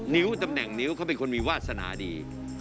นิ้วตำแหน่งนิ้วเขาเป็นคนมีวาสนาดี